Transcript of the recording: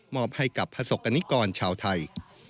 มอบให้กับผสกกรณิกรชาวไทย